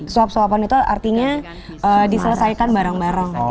suap suapan itu artinya diselesaikan bareng bareng